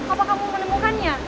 apa kamu menemukannya